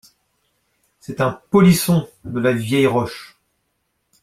C’est un polisson de la vieille roche !